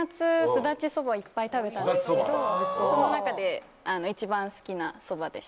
すだちそばをいっぱい食べたんですけどその中で一番好きなそばでした。